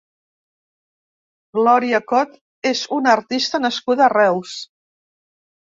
Glòria Cot és una artista nascuda a Reus.